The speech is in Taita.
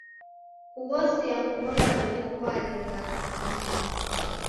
Kughosia kughora loli kwalenga nyama m'mbinyi.